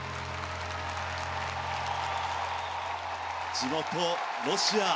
地元、ロシア。